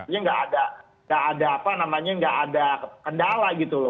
jadi sebenarnya nggak ada kendala gitu loh